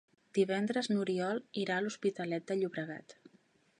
Divendres n'Oriol irà a l'Hospitalet de Llobregat.